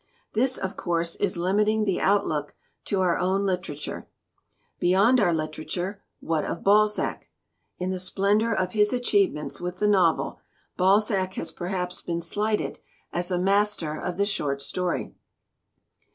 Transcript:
"This, of course, is limiting the outlook to our own literature. Beyond our literature, what of Balzac? In the splendor of his achievements with the novel, Balzac has perhaps been slighted as a 90 DETERIORATION master of the short story.